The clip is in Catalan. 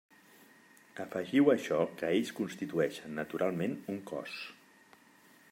Afegiu a això que ells constitueixen naturalment un cos.